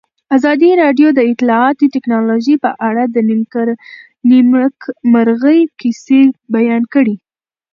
ازادي راډیو د اطلاعاتی تکنالوژي په اړه د نېکمرغۍ کیسې بیان کړې.